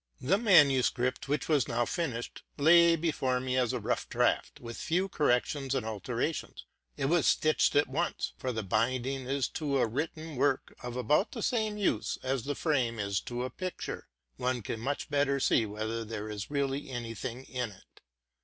The manuscript, which was now finished, lay before me as a rough draught, with few corrections and alterations. It was stitched at once, for the binding is to a written work of about the same use as the frame is to a picture: one can much better see whether there is really any thing init.